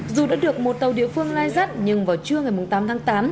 dù đã được một tàu địa phương lai dắt nhưng vào trưa ngày tám tháng tám